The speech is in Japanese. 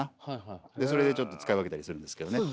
それでちょっと使い分けたりするんですけどね。